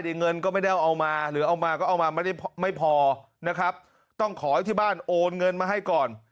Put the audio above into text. เงินก็ไม่ได้เอามาหรือเอามาก็เอามาไม่ได้ไม่พอนะครับต้องขอให้ที่บ้านโอนเงินมาให้ก่อน